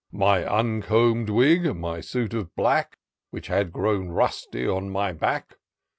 My uncomb'd wig, — ^my suit of black, Which had grown rusty on my back.